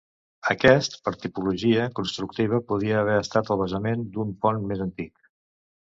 Aquest, per tipologia constructiva podria haver estat el basament d'un pont més antic.